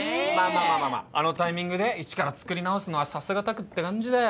まあまあまああのタイミングでイチから作り直すのはさすが拓って感じだよ